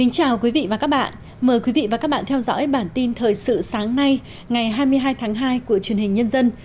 chào mừng quý vị đến với bản tin thời sự sáng nay ngày hai mươi hai tháng hai của truyền hình nhân dân